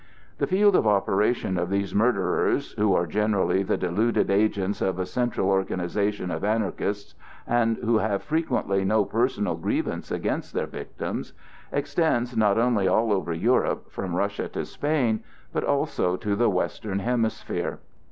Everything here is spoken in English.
The field of operation of these murderers—who are generally the deluded agents of a central organization of Anarchists, and who have frequently no personal grievance against their victims—extends not only all over Europe, from Russia to Spain, but also to the western hemisphere.